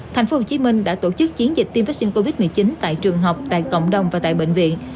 tp hcm đã tổ chức chiến dịch tiêm vaccine covid một mươi chín tại trường học tại cộng đồng và tại bệnh viện